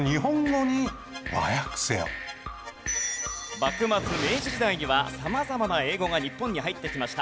幕末・明治時代には様々な英語が日本に入ってきました。